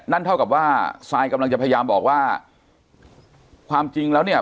เท่ากับว่าซายกำลังจะพยายามบอกว่าความจริงแล้วเนี่ย